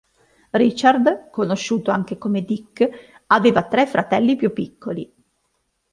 Richard, conosciuto anche come Dick, aveva tre fratelli più piccoli.